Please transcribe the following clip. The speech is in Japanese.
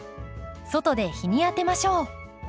外で日に当てましょう。